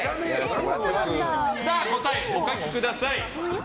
答え、お書きください。